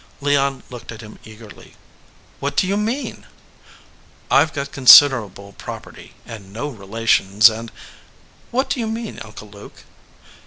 Leon looked at him eagerly. "What do you mean?" "I ve got considerable property, and no relations, and " "What do you mean, Uncle Luke?"